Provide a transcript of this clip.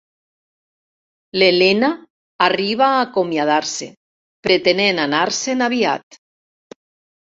L'Helena arriba a acomiadar-se, pretenent anar-se'n aviat.